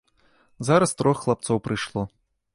Зараз трох хлапцоў прыйшло.